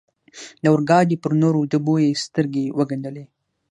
د اورګاډي پر نورو ډبو یې سترګې و ګنډلې.